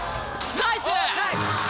ナイス！